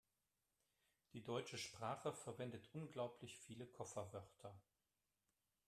Die deutsche Sprache verwendet unglaublich viele Kofferwörter.